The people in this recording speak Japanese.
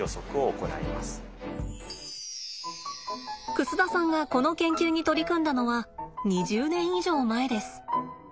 楠田さんがこの研究に取り組んだのは２０年以上前です。